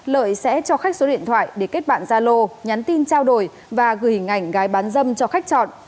lợi sẽ cho khách số điện thoại để kết bạn gia lô nhắn tin trao đổi và gửi hình ảnh gái bán dâm cho khách chọn